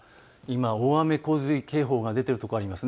今、大雨洪水警報が出ている所、あります。